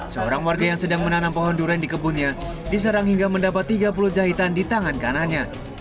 seorang warga yang sedang menanam pohon durian di kebunnya diserang hingga mendapat tiga puluh jahitan di tangan kanannya